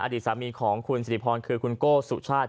อดีตสามีของคุณสิริพรคือคุณโก้สุชาติ